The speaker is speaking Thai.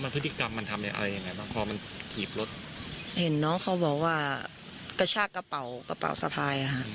พอมันขีบรถเห็นน้องเขาบอกว่ากระชากกระเป๋ากระเป๋าสะพายอ่ะค่ะ